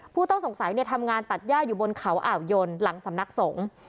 ผู้ต้องสงสัยทำงานตัดย่าอยู่บนเขาอ่าวยนหลังสำนักสงฆ์